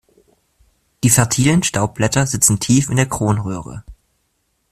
Die fertilen Staubblätter sitzen tief in der Kronröhre.